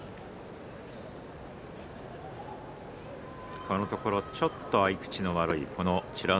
このところちょっと合い口の悪い美ノ